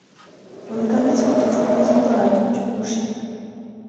Son mécanisme est toujours présent dans la tour du clocher.